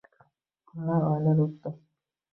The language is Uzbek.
Kunlar, oylar o`tdi